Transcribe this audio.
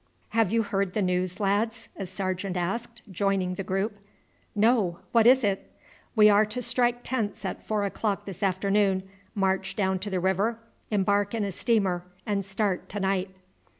"Have you heard the news, lads?" a sergeant asked, joining the group. "No! What is it?" "We are to strike tents at four o'clock this afternoon, march down to the river, embark in a steamer, and start to night."